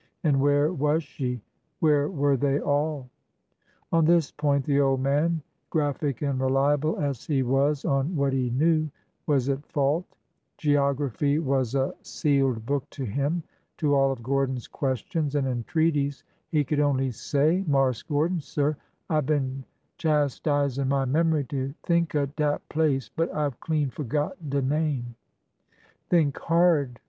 And where was she ? Where were they all ? On this point the old man, graphic and reliable as he was on what he knew, was at fault. Geography was a 335 336 ORDER NO. 11 sealed book to him. To all of Gordon's questions and en treaties he could only say : Marse Gordon, sir, I been chastisin' my memory to think of dat place, but I 've clean forgot de name !" Think hard !